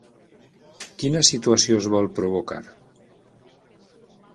Quina situació es vol provocar?